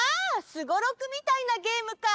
すごろくみたいなゲームか！